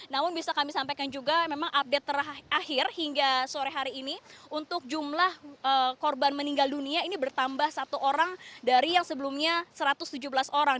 namun bisa kami sampaikan juga memang update terakhir hingga sore hari ini untuk jumlah korban meninggal dunia ini bertambah satu orang dari yang sebelumnya satu ratus tujuh belas orang